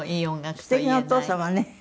素敵なお父様ね。